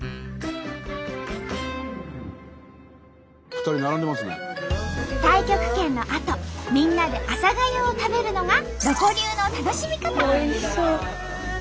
太極拳のあとみんなで朝がゆを食べるのがロコ流の楽しみ方。